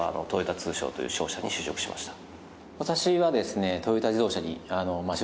私は私はですね。